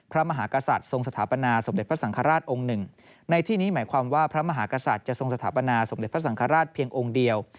พระมหากษัตริย์ทรงสถาปนาสมเด็จพระสังฆราชองค์หนึ่งในที่นี้หมายความว่าพระมหากษัตริย์จะทรงสถาปนาสมเด็จพระสังฆราชเพียงองค์เดียว